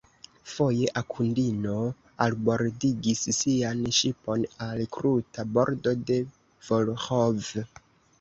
Foje Akundino albordigis sian ŝipon al kruta bordo de Volĥov.